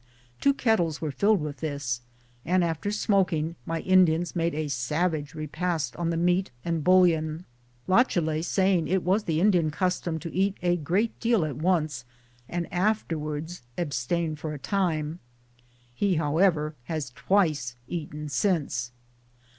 Two kettles were filled with this, and, after smoking, my Indians made a savage repast on the meat and bouillion, Lachalet saying it was the Indian custom to eat a great deal at once and afterwards abstain for a time ; he, however, has twice eaten since.